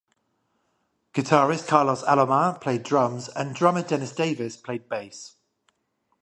Guitarist Carlos Alomar played drums and drummer Dennis Davis played bass.